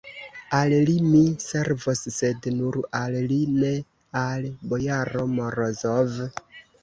Al li mi servos, sed nur al li, ne al bojaro Morozov.